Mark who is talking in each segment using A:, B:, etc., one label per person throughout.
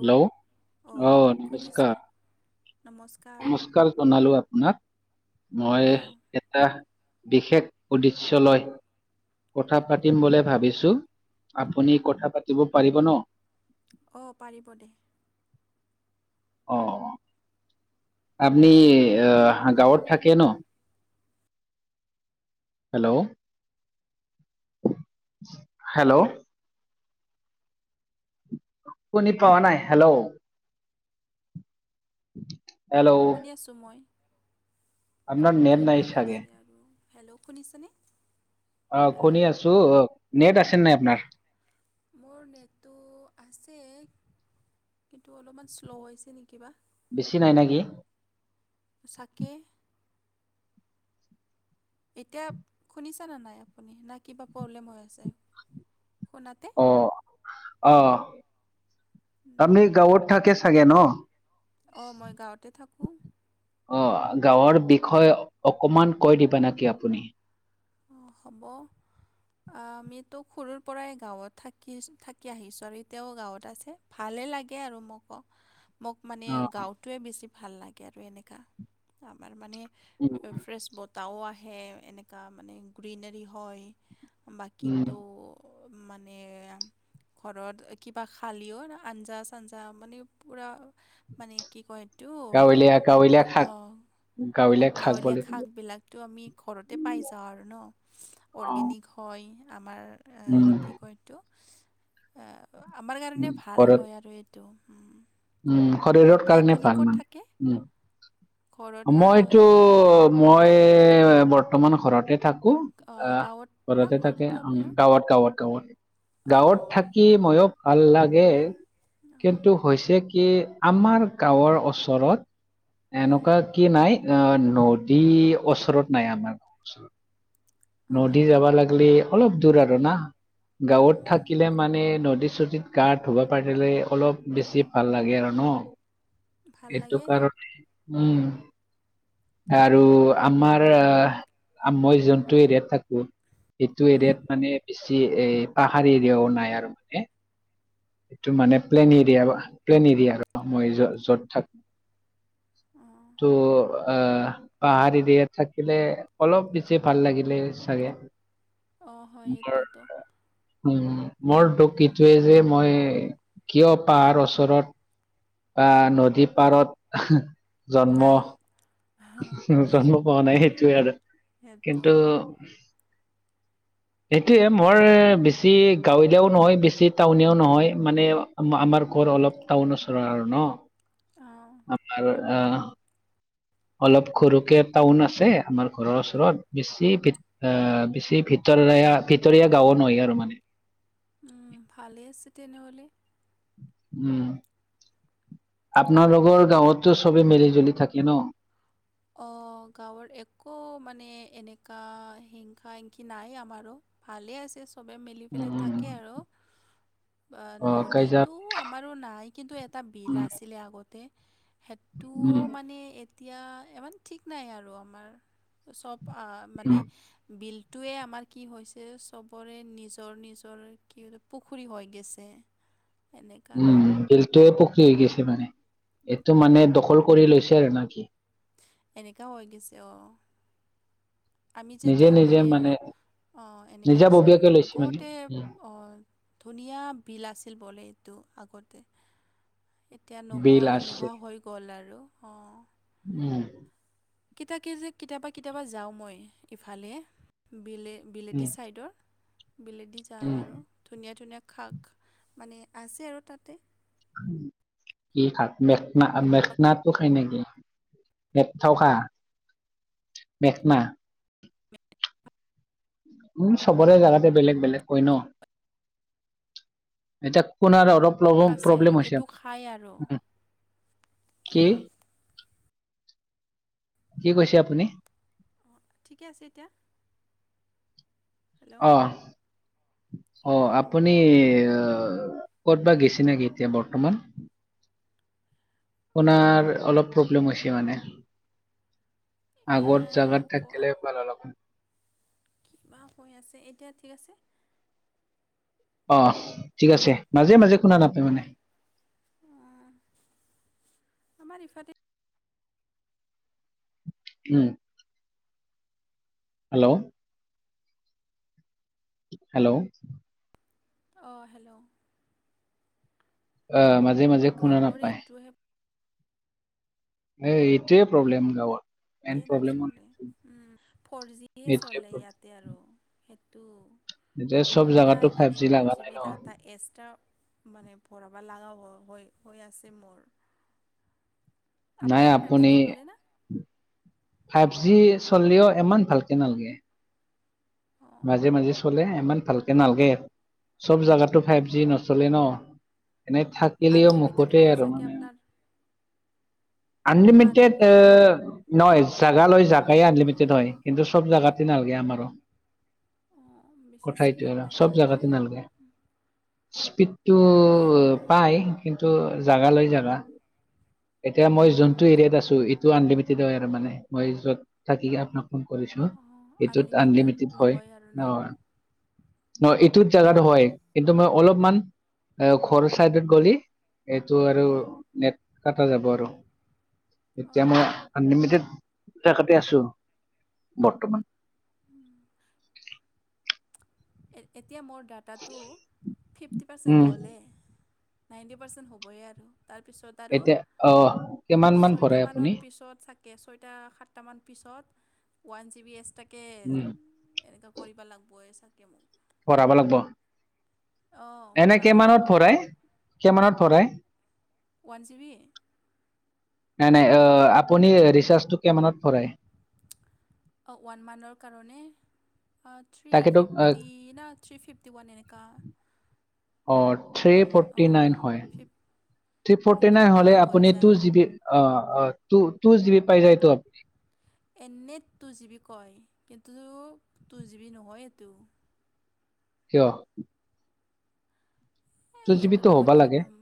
A: Hello
B: অঁ
A: অহ
B: শুনিছোঁ
A: নমস্কাৰ। নমস্কাৰ জনালো আপোনাক। মই
B: অঁ
A: এটা বিশেষ উদ্দেশ্য লৈ কথা পাতিম বুলি ভাবিছো আপুনি কথা পাতিব পাৰিব ন?
B: অঁ পাৰিব দে।
A: অ আপনি আহ গাঁৱত থাকে ন? হেল্ল' হেল্ল' শুনি পোৱা নাই হেল্ল' [unintelligible]
B: শুনি আছোঁ মই
A: আপনাৰ
B: কি
A: নেট
B: বা
A: নাই ছাগে?
B: হৈছে আৰু হেল্ল' শুনিছেনে?
A: আহ
B: হেল্ল'
A: শুনি আছো নেট আছে নাই আপনাৰ?
B: কি কিন্তু অলপমান শ্ল' হৈছে নি কিবা।
A: বেছি নাই না কি?
B: চাকে এতিয়া শুনিছানে নাই আপুনি নাই কিবা প্ৰব্লেম হৈ আছে? ফোনতে
A: অ' অ আপনি গাঁৱত থাকে চাগে ন?
B: অঁ মই গাঁৱতে থাকোঁ।
A: অ গাঁৱৰ বিষয়ে অকমান কৈ দিবা নাকি আপুনি?
B: অ হ'ব আ আমিতো সৰুৰ পৰাই গাঁৱত থাকি ছো থাকি আহিছো এতিয়াও গাঁৱত আছে ভাল ভালেই লাগে আৰু মো-ক মোক মানে
A: অ
B: গাওঁটোৱে বেছি ভাল লাগে আৰু এনেকা আমাৰ মানে
A: উম
B: ফ্ৰেছ বতাও আহে এনেকুৱা মানে গ্ৰীনেৰী হয়,
A: উম
B: বাকীটো মানে ঘৰত কিবা খালিও আঞ্জা -চাঞ্জা মানে পুৰা মানে কি কয় এইটো
A: গাৱলীয়া গাৱলীয়া খাক
B: ককাৱলীয়া শাক বিলাকো আমি ঘৰতে পাই যাওঁ আৰু আৰু ন
A: অ
B: অৰ্গেনিক হয় আমাৰ
A: উম
B: কি কয় এইটো এ আমাৰ কাৰণে
A: উম
B: ভাল
A: ঘৰত
B: হয় আৰু এইটো। উম।
A: উম শৰীৰৰ
B: বাকী
A: কাৰণে
B: আপুনি
A: ভাল
B: ক'ত থাকে
A: মানে
B: ঘৰত
A: উম
B: না
A: মইটো মই মই বৰ্তমান ঘৰতে থাকো
B: আহ,
A: অ
B: গাঁৱত না
A: ঘৰতে থাকে
B: ঘৰটো আপোনাৰ
A: গাঁৱত গাঁৱত গাঁৱত
B: অঁ
A: গাঁৱত থাকি ময়ো ভাল লাগে,
B: অঁ
A: কিন্তু হৈছে কি আমাৰ গাঁৱৰ ওচৰত,
B: উম,
A: এনেকুৱা কি নাই অ নদী ওচৰত নাই আমাৰ - নদী
B: অঁ
A: যাবা লাগিলে অলপ দূৰ আৰু না গাঁৱত
B: উম,
A: থাকিলে মানে নদী চু গা ধুবা পাৰিলে অলপ বেছি ভাল লাগে আৰু ন?
B: ভাল
A: সেইটো
B: লাগে
A: কাৰণে উম আৰু আমাৰ মই যেন যিটো এৰিয়াত থাকো সিটো
B: উম,
A: এৰিয়াত মানে চি এই পাহাৰ এৰিয়াও নাই আৰু মানে। এইটো মানে প্লেন এৰিয়া প্লেন এৰিয়া আৰু মই য য'ত থাকো
B: অঁ
A: ত' আ পাহাৰ এৰিয়াত থাকিলে অলপ বেছি ভাল লাগিলে চাগে।
B: অঁ হয়
A: মোৰ
B: এইটোত
A: উম মোৰ দুখ এইটোৱে যে মই কিয় পাহাৰ ওচৰত বা নদী পাৰত জন্ম
B: নাই
A: জন্ম পোৱা নাই সেইটোৱে আৰু
B: সেইটো
A: কিন্তু সেইটোৱে মোৰ বেছি গাঁৱলীয়াও নহয় বেছি টাউনিয়াও নহয় মানে মাআ আমাৰ ঘৰ অলপ টাউনৰ ওচৰা আৰু ন,
B: অঁ
A: আপনাৰ আ অলপ খৰুকে টাউন আছে আমাৰ ঘৰৰ
B: উম,
A: ওচৰত বেছি কেত আ বেছি ভিতৰ জাগা ভিতৰীয়া গাঁও নহয় আৰু মানে।
B: উম ভালে আছে তেনেহ'লে।
A: উম। আপোনালোকৰ গাঁৱতো চবেই মিলি জুলি থাকে ন?
B: অ' গাঁৱৰ একো মানে এনেকা হিংসা হিংসি নাই আমাৰো। ভালে আছে চবে মিলি পেলাই
A: উম
B: থাকে আৰু। আহ
A: অ কাইজা
B: নদীটো আমাৰো নাই কিন্তু এটা বিল
A: উম
B: আছিলে আগতে। সেইটোও
A: উম
B: মানে এতিয়া ইমান ঠিক নাই আৰু আমাৰ চব অ',
A: উম
B: মানে বিল টোৱে আমাৰ কি হৈছে চবৰে নিজৰ নিজৰ কি বোলে পুখুৰী হৈ গেছে।
A: উম, বিলটো পুখৰী হৈ গেছি। কি মানে, মানে এইটো মানে দখল কৰি লৈছে আৰু না কি?
B: এনেকাও হৈ গেছে অ,
A: নিজে নিজে মানে
B: অ', এনেকুৱা হৈছে,
A: নিজাববীয়াকে লৈছে মানে
B: আগতে
A: উম,
B: অ, ধুনীয়া বিল আছিল বলে এইটো। আগতে, এতিয়া
A: বিল আছে
B: নোহোৱা-নোহোৱা হৈ গ'ল আৰু।
A: উম,
B: কেতিয়াকে যে কেতিয়াবা-কেতিয়াবা যাও মই ইফালে, বিলে বিলেদি
A: উম
B: ছাইডৰ, বিলেদি যাওঁ
A: উম
B: আৰু ধুনীয়া ধুনীয়া শাক, মানে আছে আৰু তাতে।
A: কি শাক, মেডনা মেখ [unintelligible] খাই নেকি, মেকঠাওখা, মেখনা। উম, চবৰে জাগাতে বেলেগ বেলেগ কয় ন। এতিয়া কোনাৰ অৰপ প্লবম,
B: আছে
A: প্ৰব্লেম হৈছে,
B: এইটো খায় আৰু
A: উম, কি? কি কৈছে আপুনি?
B: অঁ ঠিকে আছে এতিয়া? হেল্ল'
A: অ', অ,
B: অঁ
A: আপুনি ক'ত বা গেছি নেকি এতিয়া বৰ্তমান? আপোনাৰ অলপ প্ৰব্লেম হৈছে মানে।
B: এ
A: আগৰ জাগাত
B: কোৱা
A: থাকিলে ভাল অলপমান।
B: কিবা হৈ আছে, এতিয়া ঠিক আছে?
A: অ' ঠিক আছে মাজে মাজে শুনা নাপাই মানে।
B: অঁ আমাৰ ইফালে
A: উম, হেল্ল' হেল্ল'
B: অ, ' হেল্ল'
A: অ', মাজে মাজে শুনা
B: গাঁৱৰ
A: নাপায়।
B: এইটোহে
A: নে এইটোৱে প্ৰব্লেম গাওঁৰ।
B: এতিয়া নচলে উম, ফৰজি হে
A: এইটোৱে
B: চলে
A: প্ৰব্লেম
B: ইয়াতে আৰু। টো
A: এতিয়া চব জাগাতো
B: সদায়
A: ফাইভ
B: মানে ওৱান
A: লগা
B: জি
A: নাই ন
B: বি ডাটা এচট্ৰা মানে ভৰাবা লাগা হৈ, হৈ আছে মোৰ।
A: নাই
B: আপোনাৰ ফাইভ
A: আপুনি
B: জি চলে নে?
A: ফাইভ জি চল্লেও ইমান ভালকে নালগে।
B: অঁ
A: মাজে মাজে চলে ইমান ভালকে নালগে। চব জাগাতো ফাইভ জি নচলে ন? এনেই থাকিলেও
B: আনলিমিটেড
A: মুখতেই
B: হয়
A: আৰু
B: চাগে
A: মানে।
B: আপোনাৰ
A: আনলিমিটেড এ,
B: হয় না
A: নয় জাগা লৈ জাগাই আনলিমিটেড হয় কিন্তু চব জাগাতে নালগে আমাৰো।
B: অঁ বেছি
A: কথা এটোৱে
B: স্পীড
A: আৰ
B: নাই
A: চব
B: চাগে
A: জাগাতে নালগে। স্পীডটো
B: মোৰ ফ-
A: পাই, কিন্তু জাগালৈ
B: অঁ
A: জাগা। এতিয়া মই যোনটো
B: উম,
A: এৰিয়াত আছো এইটো আনলিমিটেড হয় আৰু মানে। মই যত থাকি আপোনাক ফোন কৰিছো,
B: অঁ
A: এইটোত আনলিমিটেড [unintelligible]
B: নহয় আৰু ন
A: এইটোত জাগাত হয় কিন্তু মই অলপমান এ ঘৰৰ চাইডত গলি এইটো আৰু
B: উম,
A: নেট কাটা যাব আৰু এতিয়া
B: অঁ
A: মই আনলিমিটেড। জাগাতে আছো বৰ্তমান।
B: এতিয়া মোৰ ডাটাটো ফিফটি পাৰ্চেণ্ট
A: উম
B: গ'লে। নাইনটি পাৰ্চেণ্ট হ'বই আৰু। তাৰপিছত আৰু
A: এতিয়া অহ কিমান মান ভৰাই
B: ছয়টামানৰ
A: আপুনি
B: পিছত থাক কে ছয়টা সাতটামান পিছত ওৱান জি বি এছটাকে
A: উম
B: এনেক কৈবা লাগবই চাগে মই।
A: ভৰাব লাগ'ব।
B: অঁ
A: এনে
B: ভৰাব লাগিব
A: কেমানত ভৰাই? কেমানত ভৰাই?
B: One GB?
A: নাই নাই অ আপুনি ৰিচাৰ্জ টো কেমানত ভৰাই?
B: অ ওৱান মান্থৰ কাৰণে? থ্ৰী
A: তাকেতো
B: ফিফটি না থ্ৰী ফিফটি ওৱান এনেকা।
A: অ থ্ৰী ফৰ্টি নাইন হয়।
B: ফিফ
A: থ্ৰী ফৰ্টি নাইন
B: ফিফটি
A: হলে
B: ওৱান হৈ
A: আপুনি টু
B: যায়
A: জি বি, অ অ - টু - টু জিবি পাই যায়টো আপুনি।
B: এনে টু জি বি কয় কিন্তু টু জি বি নহয় এটো।
A: কিয়? টু
B: এই
A: জিবিতো
B: এইটোতো মই
A: হ'বা
B: কি
A: লাগে।
B: ক'ম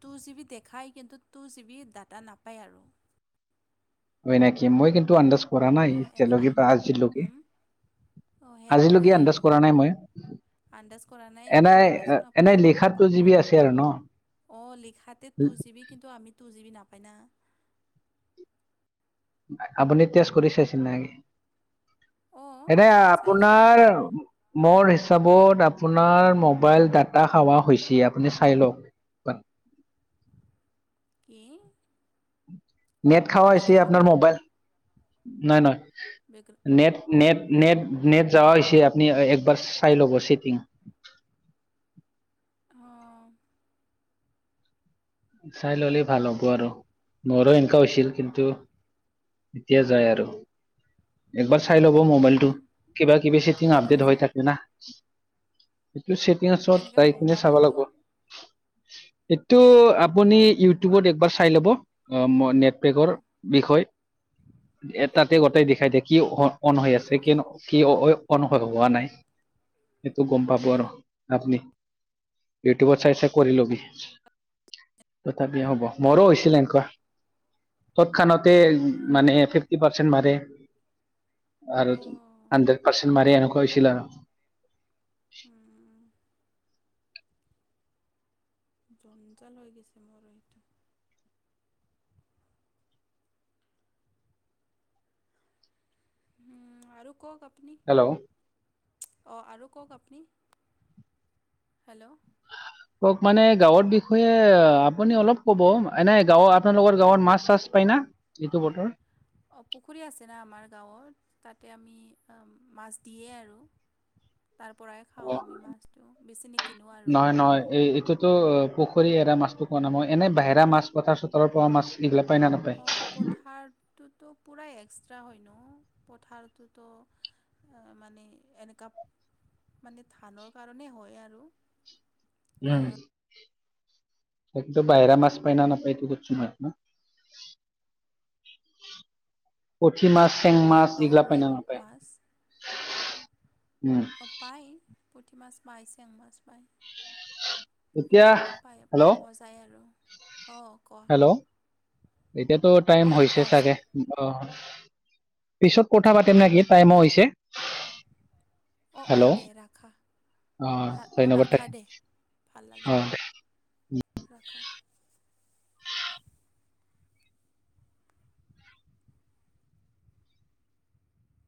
B: টু জি বি দেখায় কিন্তু টু জি বি ডাটা নাপায় আৰু।
A: হয় নেকি, মই কিন্তু আন্দাজ কৰা নাই
B: অঁ এনেকা
A: এতিয়ালগি বা আজিল লগি।
B: হুম অঁ সেইটোৱে
A: আজিলগি আন্দাজ
B: আৰু
A: কৰা নাই মই।
B: আন্দাজ কৰা নাই
A: এনে
B: কৰিবাচোন
A: এনে
B: আপুনি গম
A: লিখাত টু
B: পাব
A: জি বি
B: আৰু।
A: আছে ন
B: অ লিখাতে টু জিব কিন্তু আমি টু জিব নাপায় না।
A: আপুনি তেজ কৰি চাইছিল নাকি?
B: অঁ
A: এনে
B: চাইছোঁ আমি
A: আপোনাৰ মোৰ হিচাপত আপোনাৰ মোবাইল ডাটা খাৱা হৈছি আপুনি চাই লওক। [unintelligible]
B: কি?
A: নেট খাৱা হৈছি আপোনাৰ
B: বেকগ্ৰাউণ্ড
A: মোবাইল, নয়
B: বেক
A: নয়। নেট নেট
B: অঁ
A: নেট নেট যাৱা হৈছি আপনি একবাৰ চাই ল'ব চেটিং।
B: অ।
A: চাই ললেই ভাল হ'ব আৰু মোৰো এনকা হৈছিল কিন্তু এতিয়া যায় আৰু একবাৰ চাই ল'ব মোবাইলটো কিবা কিবি চেটিং
B: কেনেকৈ
A: আপডেট হৈ
B: চাওঁ
A: থাকে না। চেটিং ছোৱাত
B: কেনেকৈ
A: যাই
B: গম
A: কিনে
B: পাব
A: চাব
B: এইটো
A: লাগিব, এইটো আপ- আপুনি ইউটিউবত একবাৰ চাই ল'ব। অ ম নেটপেকৰ বিষয়। তাতে গোটেই গতাই দেখাই দিয়ে কি অন অন হৈ আছে
B: কি
A: কিনো-কি অন হোৱা নাই। সেইটো গম পাব আৰ। আপনি ইউটিউবত চাই চাই কৰি ল'বি। তথাপি হ'ব মোৰো হৈছিল এনেকুৱা তৎক্ষণাত। তাতে
B: অঁ
A: মানে ফিফটি পাৰ্চেণ্ট মাৰে। আৰু
B: অঁ
A: হাণ্ড্ৰেড পাৰ্চেণ্ট মাৰি এনেকুৱা হৈছিল আৰু।
B: হুম জঞ্জাল হৈ গৈছে মোৰ এইটো। হুম আৰু কওক আপ-
A: হেল্ল'
B: অ আৰু কওক আপুনি? হেল্ল'
A: কওক মানে গাঁৱৰ বিষয়ে আপুনি অলপ ক'ব এনে গাঁৱৰ আপোনালোকৰ গাঁৱত মাছ-চাছ পায় না? এইটো বতৰ
B: অ পুখুৰী আছে না আমাৰ গাঁৱত তাতে আমি মাছ দিয়ে আৰু।
A: [inaudible]
B: তাৰ পৰাই
A: অ
B: খাওঁ আমি মাছটো বেছি নিক
A: নহয় নহয় এই এতিয়াতো। পুখুৰী এৰা মাছটো কোৱা নাই মই, এনে বাহিৰা মাছ পথাৰ-চোথৰৰ পৰা মাছ এইবিলাক
B: অ পথাৰটোতো পুৰাই এক্সট্ৰা হয় নঅ পথাৰটো ত মানে এনেকা মানে ধানৰ কাৰণে হয় আৰু।
A: উম তাতো বাহিৰা মাছ পায় ন নাপায় এইটো শুধি মই আপোনাক পুঠি মাছ চেং মাছ
B: খাওঁ
A: এইগিলা
B: আমি
A: পাইনা নাপায়? উম
B: অ পায় পুঠি মাছ পায় চেং মাছ পায়।
A: এতিয়া
B: এইবিলাকতো পাই
A: হেল্ল'
B: পোৱা যায় আৰু অ ক'
A: হেল্ল' এতিয়াতো টাইম হৈছে চাগে অ'। পিছত কথা পাতিম নেকি টাইমো হৈছে।
B: অ অ
A: হেল্ল'
B: দে ৰাখা।
A: অ
B: ভাল অঁ
A: ধন্যবাদ
B: ৰাখা
A: থাকিল।
B: দে ভাল
A: অ
B: লাগিলে ৰাখা